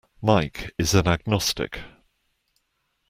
Mike is an agnostic.